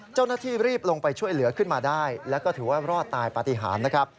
เจ้าหน้าที่รีบลงไปช่วยเหลือขึ้นมาได้แล้วก็ถือว่ารอดตายปฏิหารนะครับ